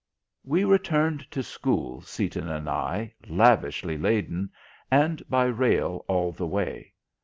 We returned to school, Seaton and I, lavishly laden, and by rail all the way.